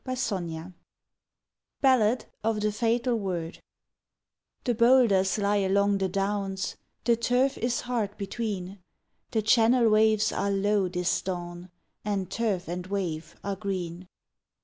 22 BALLAD OF THE FATAL WORD The boulders lie along the downs; The turf is hard between ; The Channel waves are low this dawn. And turf and wave are green.